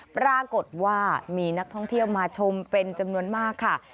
ปรากฏว่ามีนักท่องเที่ยวมาชมเป็นจำนวนมากค่ะ